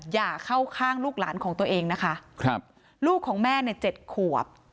อย่าเข้าข้างลูกหลานของตัวเองนะคะครับลูกของแม่ในเจ็ดขวบ